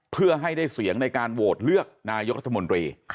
เพื่อให้ได้เสียงในการโหวตเลือกนายกรัฐมนตรี